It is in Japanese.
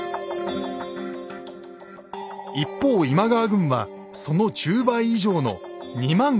一方今川軍はその１０倍以上の２万５，０００。